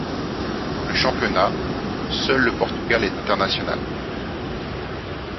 Dans le championnat, seul le Portugal est international.